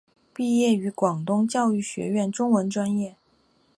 毕业于广东教育学院中文专业。